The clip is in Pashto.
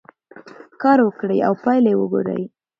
کار وکړئ او پایله یې وګورئ.